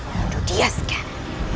bunuh dia sekarang